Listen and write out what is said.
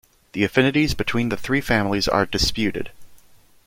The affinities between the three families are disputed.